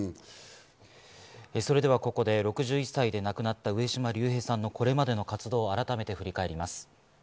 それでは、ここで６１歳で亡くなった上島竜兵さんのこれまでの活動を改めて振り返ります。